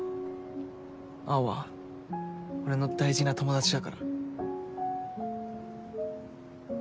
青は俺の大事な友達だから。